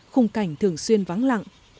khung cảnh thường xuyên vắng lặng